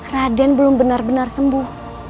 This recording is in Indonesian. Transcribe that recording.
raden belum benar benar sembuh